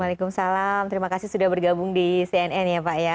waalaikumsalam terima kasih sudah bergabung di cnn ya pak ya